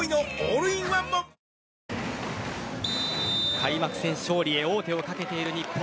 開幕戦勝利へ王手をかけている日本。